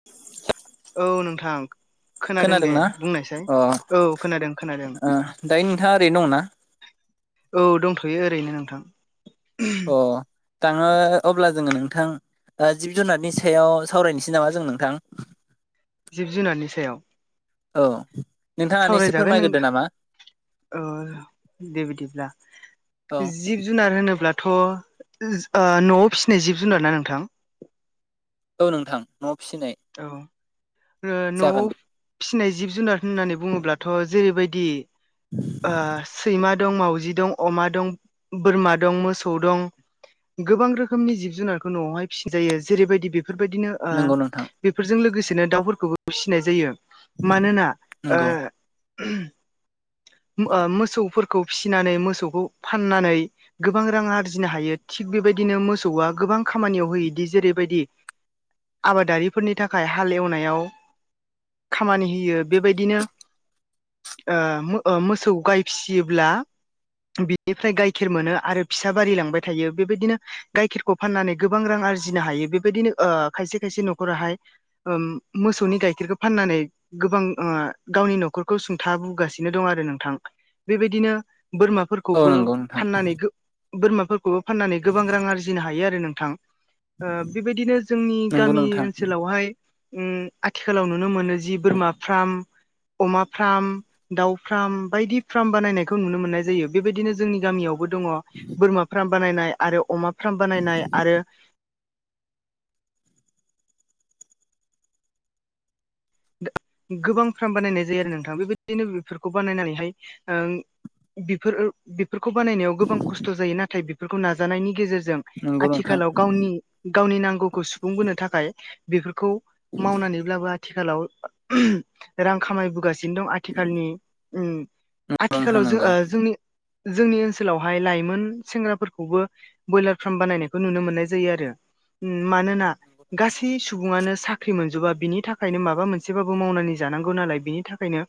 [inaudible] औ नोंथां खोनादों दे खोनादोंना बुंनायसाय अ औ खोनादों खोनादों। ओ दायो नोंथा ओरैनो दं ना? औ दंथ'यो ओरैनो नोंथां। ओरैनो दंना अ 'थाङो अब्ला जोङो नोंथां। जिब जुनारनि सायाव सावरायनोसै नामा जों नोंथां? जिब-जुनारनि सायाव। औ। नोंथाङानो एसे सावरायजागोन नों फोरमायग्रोदो नामा [unintelligible] ओ दे बिदिब्ला औ जिब-जुनार होनोब्लाथ' ओ न'आव फिसिनाय जिब-जुनार ना नोंथां? औ नोंथां न'आव फिसिनाय। औ ओ न'आव जागोन फिनाय जिब-जुनार होननानै बुङोब्लाथ' जेरैबायदि ओ सैमा दं, मावाउजि दं, अमा दं बोरमा, दं मोसौ दं। गोबां रोखोमनि जिब-जुनारखौ न'आवहाय फिजायो जेरैबायदि बेफोरबायदिनो ओ नंगौ नोंथां बेफोरजों लोगोसेनो दाउफोरखौबो फिनाय जायो मानोना ओ नंगौ ओ मोसौफोरखौ फिनानै मोसौखौ फाननानै गोबां रां आरजिनो हायो थिग बेबायदिनो मोसौआ गोबां खामानियाव होयोदि जेरैबायदि आबादारि -फोरनि थाखाय हाल एवनायाव खामानि होयो बेबायदिनो ओ मो-ओ मोसौ गाय फियोब्ला बिनिफ्राय गाइखेर मोनो आरो फिसा बारि लांबाय थायो बेबादिनो गाइखेरखौ फाननानै गोबां रां आरजिनो हायो बेबादिनो ओ खायसे खायसे न'खराहाय ओम मोसौनि गाइखेरखौ फाननानै गोबां ओ गावनि न'खरखौ सुंथाबोगासिनो दं आरो नोंथां। बेबायदिनो औ बोरमाफोरखौबो नंगौ नोंथां फाननानै बोरमाफोरखौबो फाननानै गोबां रां आरजिनो हायो आरो नोंथां। ओ बेबायदिनो जोंनि नंगौ गामि नोंथां ओन बहाय ओ आथिखालाव नुनो मोनो जि बोरमा फ्राम अमा फ्राम। दाउ फ्राम बायदि फ्राम बानायनायखौ नुनो मोननाय जायो बेबायदिनो जोंनि गामियावबो दङ बोरमा फार्म बानायनाय आरो अमा फार्म बानायनाय आरो गोबां फार्म बानायनाय जायो आरो नोंथां बेबायदिनो बेफोरखौ बानायनानैहाय बेफोर बेफोरखौ बानायनायाव गोबां खस्थ' जायो नाथाय बेफोरखौ नाजानायनि गेजेरजों नंगौ नोंथां आथिखालाव गावनि गावनि नांगौखौ सुफुंबोनो थाखाय बेफोरखौ मावनानैब्लाबो आथिखालाव [unintelligible] ओ रां खामायबोगासिनो दं आथिखालनि ओ नंगौ नोंथां आथिखालाव जों नंगौ ओ जोंनि जोंनि ओनसोलावहाय लाइमोन सेंग्राफोरखौबो ब्रयलार फार्म बानायनायखौ नुनो मोननाय जायो आरो ओ मानोना गासै सुबुङानो साख्रि मोनजोबा बिनि थाखायनो माबा मोन सेबाबो मावनानै जानांगौ नालाय बिनि थाखायनो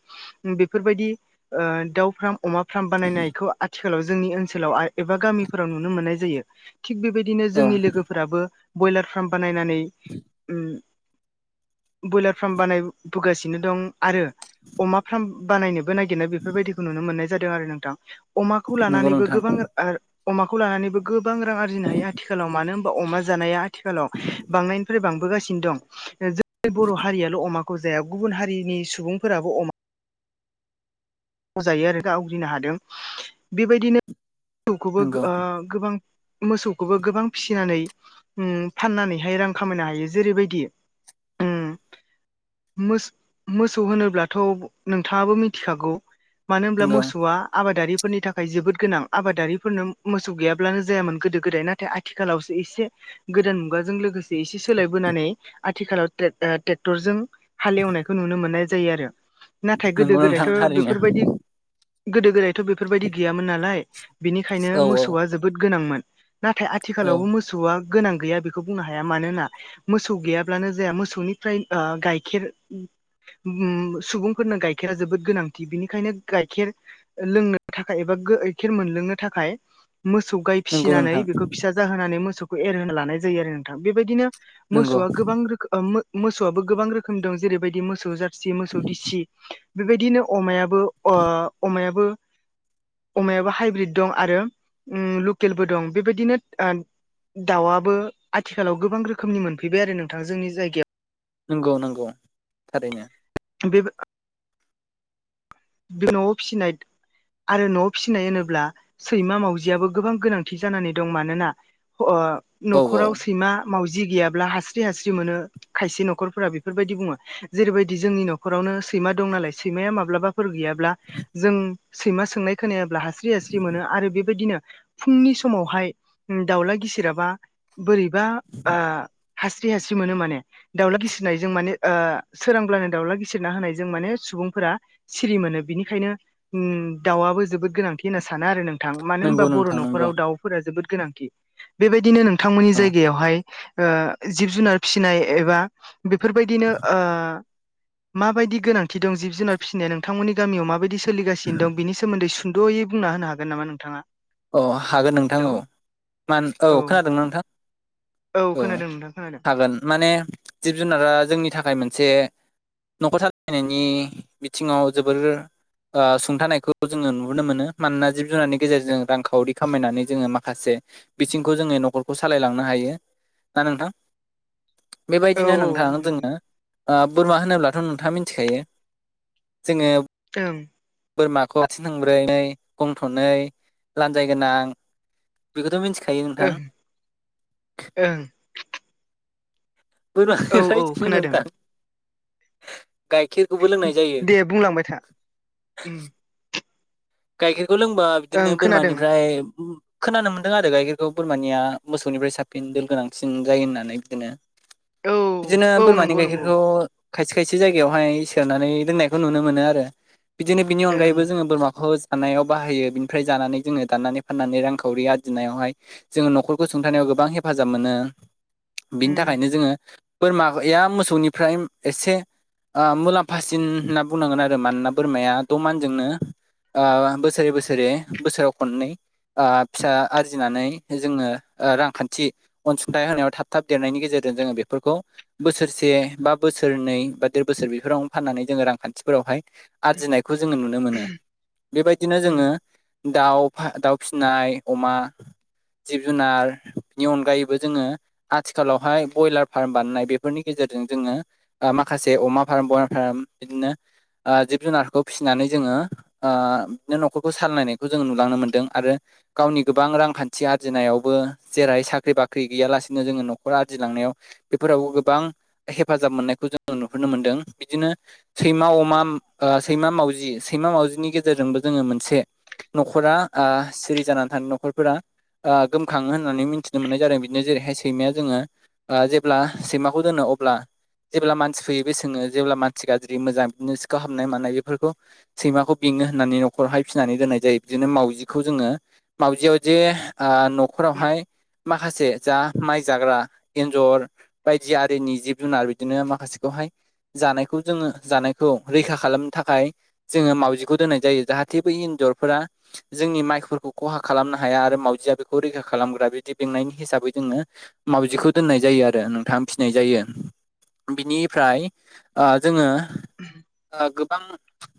बेफोरबायदि ओ दाउ फ्राम अमा फ्राम बानायनायखौ आथिखालाव जोंनि ओनसोलाव एबा गामिफोराव नुनो मोननाय जायो थिग बेबायदि दिनो औ जोंनि लोगोफोराबो ब्रयलार फार्म बानायनानै ओम ब्रयलार फ्राम बानायबोगासिनो दं आरो अमा फ्राम बानायनोबो नागिरनाय बेफोरबायदिखौ नुनो मोननाय जादों आरो नोंथां। अमाखौ नंगौ लानानैबो नोंथां गोबां ओ अमाखौ लानानैबो गोबां रां आरजिनो हायो आथिखालाव मानो होनबा अमा जानाया आथिखालाव बांनायनिफ्राय बांबोगासिनो दं जेरै बर' हारियाल' अमाखौ जाया गुबुन हारिनि सुबुंफोराबो अमा खौ जायो आरो दा आवग्रिनो हादों बेबायदिनो खौबो नंगौ ओ गोबां मोसौखौबो गोबां फिसिनानै उम फाननानैहाय रां खामायनो हायो जेरैबायदि मोस मोसौ होनोब्लाथ' नोंथाङाबो मिथिखागौ मानो होनब्ला नंगौ मोसौआ आबादारि फोरनि थाखाय जोबोद गोनां आबादारिफोरनो मोसौ गैयाब्लानो जायामोन गोदो गोदाय नाथाय आथिखालावसो एसे गोदान मुगाजों लोगोसे एसे सोलायबोनानै आथिखालाव ट्रेक्ट- ओ ट्रेक्टरजों हालेवनायखौ नुनो मोननाय जायो आरो नाथाय गोदो नंगौ नोंथां गोदायथ' थारैनो बेफोरबायदि गोदो गोदायथ' बेफोरबायदि गैयामोन नालाय बेनिखायनो औ औ मोसौआ जोब जोबोद गोनांमोन नाथाय औ आथिखालावबो मोसौ मोसौआ गोनां गैया बेखौ बुंनो हाया मानोना मोसौ गैयाब्लानो जाया मोसौनिफ्राय ओ गाय खेर उम सुबुंफोरनो गाइखेरा जोबोद गोनांथि बिनिखायनो गाइखेर लोंनो थाखाय एबा गैखेर मोनलोंनो थाखाय मोसौ गाय नंगौ फिसिनानै नोंथां बेखौ फिसा जाहोनानै मोसौखौ एरहोनो लानाय जायो आरो नोंथां बेबायदिनो नंगौ मोसौआ गोबां रोखो ओ मोसौआबो गोबां रोखोमनि दं जेरैबायदि मोसौ जार सि मोसौ दिसि बेबायदिनो अमायाबो ओ अमायाबो अमायाबो हाइब्रिद दं आरो उम लकेलबो दं बेबायदिनो ओ दाउआबो आथिखालाव गोबां रोखोमनि मोनफैबाय आरो नोंथां जोंनि जायगायाव नोंगौ नोंगौ थारैनो बेबा बेन'आव फिसिनाय आरो न' फिसिनाय होनोब्ला सैमा मावजियाबो गोबां गोनांथि जानानै दं मानोना ह अ औ औ न'खराव सैमा मावजि गैयाब्ला हास्रि हास्रि मोनो खायसे न'खरफोरा बेफोरबायदि बुङो जेरैबायदि जोंनि न'खरावनो सैमा दं नालाय सैमाया माब्लाबाफोर गैयाब्ला जों सैमा सोंनाय खोनायाब्ला हास्रि हास्रि मोनो आरो बेबायदिनो फुंनि समावहाय दाउला गिसिराबा बोरैबा आ हास्रि हास्रि मोनो माने दाउला गिसिरनायजों माने ओ सोरांब्लानो दाउला गिसिरना होनायजों माने सुबुंफोरा सिरि मोनो बिनिखायनो उम दाउआबो जोबोद गोनांथि होनना सानो आरो नों थां मानो होनबा नंगौ बर' नोंथां नंगौ न'खराव दाउफोरा जोबोद गोनांथि बेबायदिनो नोंथांमोननि औ जायगायावहाय ओ जिब जुनार फिसिनाय एबा बेफोरबायदिनो ओ माबायदि गोनांथि दं जिब जुनार फिसिनाया नोंथांमोननि गामियाव माबायदि सोलिगासिनो दं बिनि सोमोन्दै सुं द'यै बुंना होनो हागोन नामा नोंथाङा अ हागोन नोंथां हेलौ औ मा औ खोनादोंना नोंथां औ खोनादों नोंथां खोनादों हागोन माने जिब जुनारा जोंनि थाखाय मोनसे न'खर सालायनायनि बिथिङाव जोबोर ओ सुंथानायखौ जोङो नुहरनो मोनो मानोना जिब जुनारनि गेजेरजों रांखावरि खामायनानै जोङो माखासे बिथिंखौ जोङो न'खरखौ सालायलांनो हायो ना नोंथां औ बेबायदिनो औ नोंथां नंगौ जोङो ओ बोरमा होनोब्लाथ' नोंथाङा मिथिखायो जोङो ओं बोरमाखौ आथिं थंब्रै नै गं थनै लान्जायगोनां बेखौथ' मिनथिखायो नोंथां ओं ओं औ औ खोनादों बोरमाखो [unintelligible] दे बुंलांबाय था उम गाइखेरखौ लोंबा ओं बिदिनो खोनादों बोरमानिफ्राय खोनानो मोन्दों आरो गाइखेरखौ बोरमानिया मोसौनिफ्राय साबसिन दोल गोनांसिन जायो होननानै बिदिनो। औ बिदिनो औ बोरमानि नंगौ नंगौ गायखेरखौ खायसे खायसे जायगायावहाय सोनानै दोननायखौ नुनो मोनो आरो। बिदिनो बिनि अनगायैबो ओं जोङो बोरमाखौ थानायाव बाहायो। बिनिफ्राय जानानै जोङो दाननानै फाननानै रांखावरि आरजिनायावहाय जोङो न'खरखौ सुंथानायाव गोबां हेफाजाब मोनो। बिनि उम थाखायनो जोङो बोरमा या मोसौनिफ्राय एसे ओ मुलाम्फासिन होनना बुंनांगोन आरो मानोना बोरमाया द' मानजोंनो ओ बोसोरेै बोसोरेै बोसोराव खननै ओ फिसा आरजिनानै जोङो रांखान्थि अनसुंथाइ होनायाव थाब थाब देरनायनि गेजेरजों जोङो बेफोरखौ बोसोरसे बा बोसोरनै बा देर बोसोर बेफोरावनो फाननानै जोङो रांखान्थि फोरावहाय आरजिनायखौ जोङो नुनो मोनो। बेबायदिनो उम जोङो दाउ दाउ फिसिनाय अमा जिब जुनार बिनि अनगायैबो जोङो आथिखालावहाय ब्रयलार फार्म बानायनाय बेफोरनि गेजेरजों जोङो माखासे अमा फार्म बयराम फार्म बिदिनो जिब जुनारखौ फिसिनानै जोङो ओ बिदिनो न'खरखौ सालायनायखौ जोङो नुलांनो मोनदों आरो गावनि गोबां रांखान्थि आरजिनायावबो जेरैहाय साख्रि बाख्रि गैयालासिनो जोङो न'खर आरजिलांनायाव बेफोरावबो गोबां हेफाजाब मोननायखौ जोङो नुहुरनो मोनदों बिदिनो सैमा, अमा ओ सैमा, मावजि, सैमा, मावजिनि गेजेरजोंबो जोङो मोनसे न'खरा ओ सिरि जानानै थानाय न'खरफोरा ओ गोमखाङो होननानै मिथिनो मोननाय जादों बिदिनो जेरैहाय सैमाया जोङो ओ जेब्ला सैमाखौ दोनो अब्ला जेब्ला मानसि फैयो बे सोङो जेब्ला मानसि गाज्रि मोजां बिदिनो सिखाव हाबनाय मानाय बेफोरखौ सैमाखौ बेङो होन्नानै न'खरावहाय फिनानै दोननाय जायो। बिदिनो मावजिखौ जोङो मावाउजियाव जे ओ न'खरावहाय माखासे जा माइ जाग्रा एन्जर बायदि आरिनि जिब-जुनार बिदिनो माखासेखौहाय जानायखौ जोङो जानायखौ रैखा खालामनो थाखाय जोङो मावजि खौ दोननाय जायो। जाहाथे बे एन्जरफोरा जोंनि माइफोरखौ खहा खालामनो हाया आरो मावजिया बेखौ रैखा खालामग्रा बिदि बेंनायनि हिसाबै जोंङो मावाउजिखौ दोननाय जायो आरो नोंथां फिसिनाय जायो। बिनिफ्राय ओ जोङो गोबां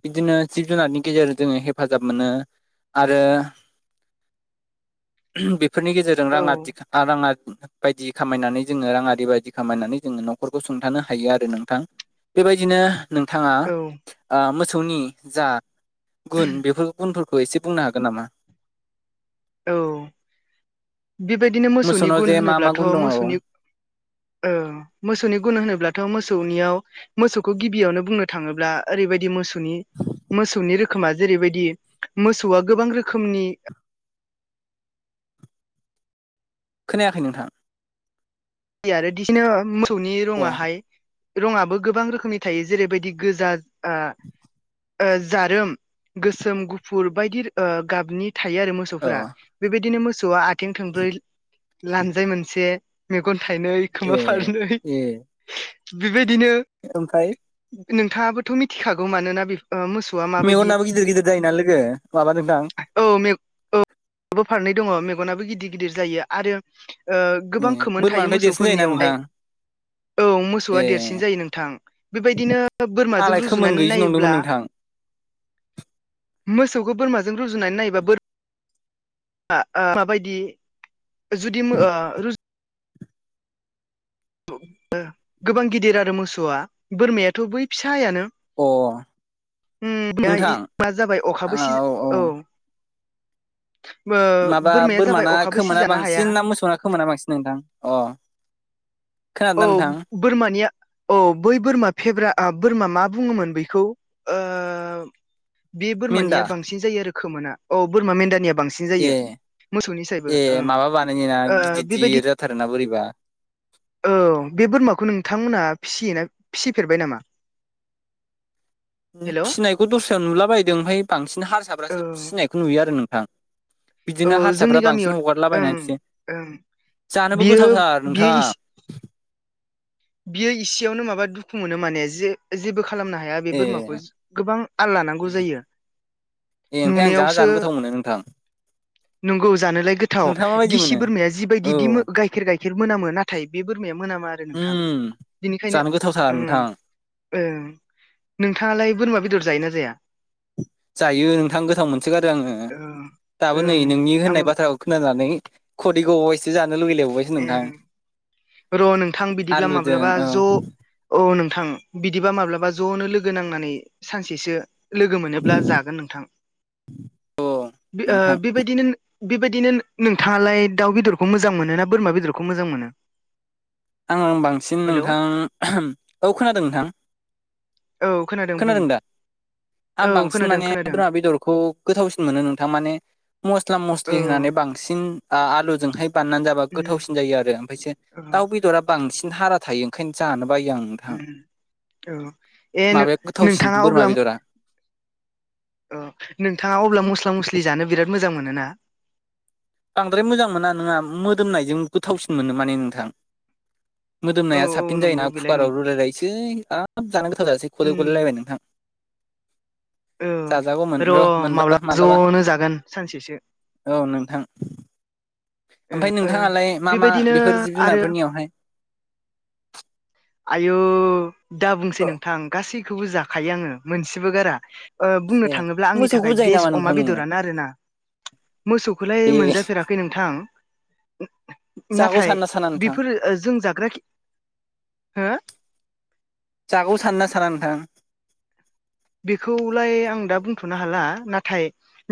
बिदिनो जिब जुनारनि गेजेरजों जोङो हेफाजाब मोनो आरो ओहोम बेफोरनि गेजेरजों औ राङादि राङा बायदि खामायनानै जोङो राङादि बायदि खामायनानै जोङो न'खरखौ सुंथानो हायो आरो नोंथां। बेबायदिनो नोंथाङा औ ओ मोसौनि जा गुन बेफोर गुबुनफोरखौ एसे बुंनो हागोन नामा? औ बेबायदिनो मोसौनि मोसौनाव गुन जे मा मा होनोब्लाथ' गुन दङ मोसौनि औ मोसौनि गुन होनोब्लाथ' मोसौनियाव मोसौखौ गिबियावनो बुंनो थाङोब्ला ओरैबायदि मोसौ मोसौनि रोखोमा जेरैबायदि मोसौआ गोबां रोखोमनि खोनायाखै नोंथां। आरो बिदिनो मोसौनि अ रङाहाय रङाहाय गोबां रोखोमनि थायो। जेरैबायदि गोजा ओ। ओ जारोम गोसोम गुफुर बायदि ओ गाबनि थायो आरो औ मोसौफोरा। बेबायदिनो मोसौआ आथिं थोंब्रै, लानजाय मोनसे गन थाइनै ए खोमा फारनै ए बेबायदिनो ओमफ्राय। नोंथाङाबोथ' मिथिखागौ मानोना बे मोसौ मेगनाबो गिदिर गिदिर जायोना लोगो माबा नोंथां। औ मेग-औ आबोबो फारनै दङ मेगनाबो गिदिर गिदिर जायो आरो ओ ए गोबां खोमोन थायो बोरमानिफ्राय देरसिन जायोना नोंथां मोसौफोरनियावहाय। औ मोसौआ ए देरसिन जायो नोंथां। बेबायदिनो बोरमाजों आंलाय खोमोन रुजुनानै गैयिसो नंदोंमोन नायोब्ला नोंथां मोसौखौ बोराजों रुनानैनायोबा बोर [unintelligible] माबायदि जुदि ओ रु गोबां गिदिर आरो मोसौआ बोरमायाथ' बै फिसायानो अ। उम दा इ नोंथां जाबाय अखाबो सिजा औ। माबा बोरमाया जाबाय बोरमाना अखाबो खोमोना सिजानो हाया बांसिन ना मोसौना खोमोना बांसिन नोंथां अ। खोनादोंना औ नोंथां‌‌। बोरमानिया अ बै बोरमा फेब्रा बोरमा मा बुङोमोन बेखौ ओ बे मेन्दा बोरमानिया बांसिन जायो आरो खोमोना औ बोरमा मेन्दानिया बांसिन ए जायो मोसौनि सायबो ए ओं माबा बानायनो ना ओ गिदिर बेबायदि गिदिर जाथारोना बोरैबा औ बे बोरमाखौ नोंथांमोनहा फिसिया फिसिफेरबाय नामा? हेल' औ फिसिनायखौ दस्रायाव नुला बायदों ओमफफ्राय बांसिन हारसाब्रासो फिसिनायखौ नुयो आरो नोंथां औ बिदिनो जोंनि हारसाफ्रा बांसिन गामियाव ओं हगारलाबायनाखिसै ओं जानोबो बियो गोथावथार बियो नोंथां। इस बियो इसेयावनो माबा दुखु मोनो माने जे जेबो खालामनो हाया ए बे बोरमाखौ गोबां आल लानांगौ ए जायो ए ओमफ्राय आं जोंहा नुनायावसो जानो गोथाव मोनो नोंथां। नंगौ जानोलाय गोथाव नोंथाङा माबायदि दिसि मोनो बोरमाया जिबायदि दि औ गाइखेर गाइखेर मोनामो ना थाय बे बोरमाया मोनामा आरो नोंथां। उम बिनिखायनो जानो गोथावथार नोंथां ओं नोंथाङालाय बोरमा बेदर जायोना जाया? जायो नोंथां गोथाव मोनसोगारो आङो ओं दाबो नै ओं नोंनि होननाय आंबो बाथ्रा खोनानानै खुदै गबाव बायसो जानो लुुबैलायबावबाय ए र' नोंथां बिदिब्ला आलुजों माब्लाबा औ ज' औ नोंथां। बिदिबा माब्लाबा ज'नो लोगो नांनानै सानसेसो लोगो मोनोब्ला जागोन नोंथां। औ ओ नोंथां बेबायदिनो बेबायदिनो नोंथाङालाय दाउ बेदरखौ मोजां मोनो ना बोरमा बेदरखौ मोजां मोनो आं बांसिन हेलौ नोंथां औ खोनादों नोंथां। औ खोनादों बुं आं औ बांसिन खोनादों माने खोनादों बोरमा बेदरखौ गोथावसिन मोनो नोंथां। माने मस्ला औ मस्लि होनानै बांसिन आलुजोंहाय बाननानै जाबा उम। गोथावसिन जायो आरो औ ओमफ्रायसो दाउ बेदरा बांसिन हारा थायो ओंखायनो जानो बायो आं नोंथां उम औ ए माबाया गोथावसिन नोंथाङा बोरमा अब्ला औ बेदरा नोंथाङा अब्ला मस्ला मस्लि जानो बिराद मोजां मोनो ना? बांद्राय मोजां मोना नोंङा मोदोमनायजों गोथावसिन मोनो माने नोंथां। औ मोदोमनाया औ साबसिन जायो नंगौ ना बेलाय कुकाराव नंगौ रुलायलायनोसै हाब जानो गोथाव जासै खुदै उम गलायलायबाय नोंथां औ जाजागौमोन र' मोनबा माब्लाबा मालाबा। ज'नो जागोन सानसेसो औ नोंथां ओ ओमफ्राय ओ नोंथाङालाय मा मा बेबायदिनो बेफोर जिब आरो जुनारफोरनियावहाय आयु दा बुंसै औ नोंथां गासैखौबो जाखायो आङो मोनसेबो गारा ओ बुंनो ए थाङोब्ला आंनि मोसौखौबो थाखाय जायो नामा बेस्ट नोंथां अमा नोङो बेदरानो आर ना। मोसौखौलाय ए मोनजाफेराखै नोंथां जागौ नाथाय सानना साना नोंथां बेफोर जों जाग्रा हो जागौ साना साना नोंथां बेखौलाय आं दा बुंथ'नो हाला नाथाय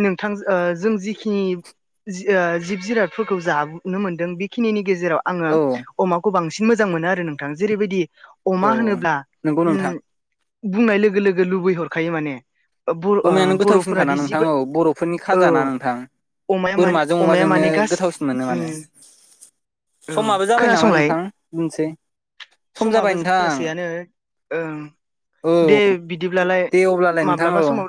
नोंथां जों जिखिनि ओ जिब जिरादफोरखौ जाबोनो मोनदों बे खिनि गेजेराव आङो औ अमाखौ बांसिन मोजां मोनो आरो नोंथां। जेरैबायदि औ अमा होनोब्ला नंगौ उ नोंथां बुंनाय लोगो लोगो लुबै हरखायो माने बर ओ अमायानो गोथावसिनखाना बर'फोरादि नोंथां जिबो औ बर'फोरनि खाजाना औ नोंथां अमाया माने बोरमाजों अब अमाया जोंनो माने गास गोथावसिन मोनो उम माने औ समाबो जाबाय नामा खोनासंलाय नोंथां। दोनसै सम जाबाय समाबो नोंथां जानोसैयानो ओं औ दे बिदिब्लालाय। दे अब्लालाय नोंथां माब्लाबा औ। समाव